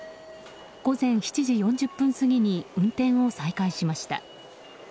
午前７時４０分過ぎに運転を再開しました。